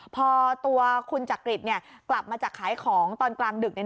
พอตัวคุณจักริตกลับมาจากขายของตอนกลางดึก